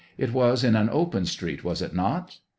It was in an open street, was it not